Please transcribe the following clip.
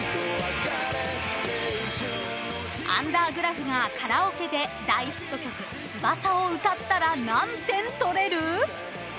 アンダーグラフがカラオケで大ヒット曲「ツバサ」を歌ったら何点取れる？